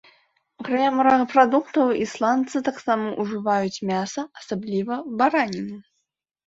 Акрамя морапрадуктаў ісландцы таксама ўжываюць мяса, асабліва бараніну.